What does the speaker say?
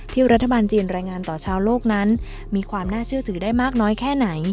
รัฐบาลจีนรายงานต่อชาวโลกนั้นมีความน่าเชื่อถือได้มากน้อยแค่ไหน